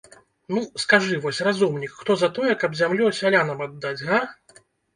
Ну, скажы вось, разумнік, хто за тое, каб зямлю сялянам аддаць, га?